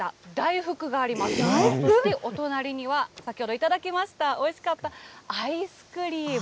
そしてお隣には、先ほど頂きました、おいしかったアイスクリーム。